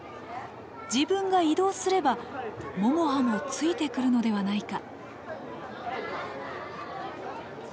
自分が移動すればももはもついてくるのではないか。